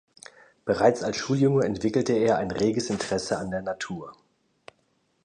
Bereits als Schuljunge entwickelte er ein reges Interesse an der Natur.